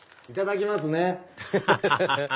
いただきますね。